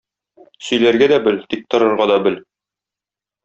Сөйләргә дә бел, тик торырга да бел!